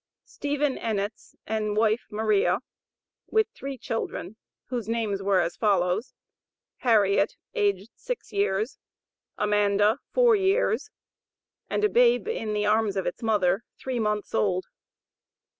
STEPHEN ENNETS and wife, MARIA, with three children, whose names were as follows: HARRIET, aged six years; AMANDA, four years, and a babe (in the arms of its mother), three months old.